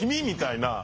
みたいな。